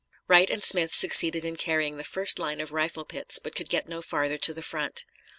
Wright and Smith succeeded in carrying the first line of rifle pits, but could get no farther to the front.